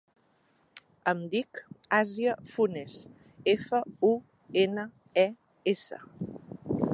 Em dic Asia Funes: efa, u, ena, e, essa.